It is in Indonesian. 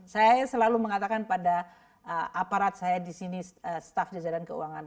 saya selalu mengatakan pada aparat saya disini staf jajaran keuangan